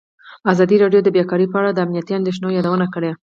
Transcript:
ازادي راډیو د بیکاري په اړه د امنیتي اندېښنو یادونه کړې.